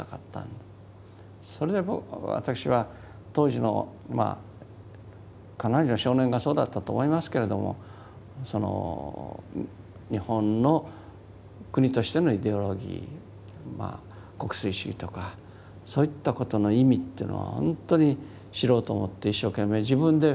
それで私は当時のかなりの少年がそうだったと思いますけれども日本の国としてのイデオロギー国粋主義とかそういったことの意味っていうのは本当に知ろうと思って一生懸命自分で勉強しました。